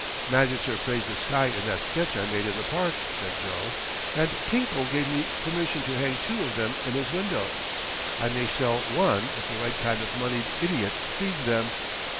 "Magister praised the sky in that sketch I made in the park," said Joe. "And Tinkle gave me permission to hang two of them in his window. I may sell one if the right kind of a moneyed idiot sees them."